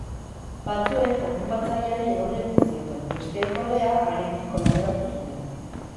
Batzuek okupatzaileari aurre egin zioten, besteek, ordea, harekin kolaboratu zuten.